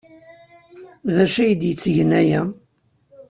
D acu ay d-yettgen aya?